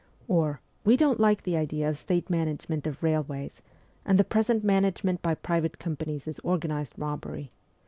Or, ' We don't like the idea of state management of railways, and the present management by private companies is organized robbery.